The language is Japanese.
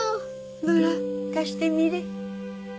どら貸してみれ